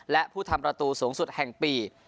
และผู้ทำประตูสูงสุดแห่งปี